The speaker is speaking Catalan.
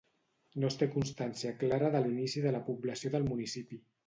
No es té constància clara de l'inici de la població del municipi.